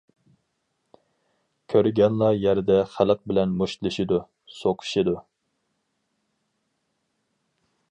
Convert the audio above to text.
كۆرگەنلا يەردە خەق بىلەن مۇشتلىشىدۇ، سوقۇشىدۇ.